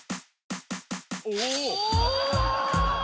お！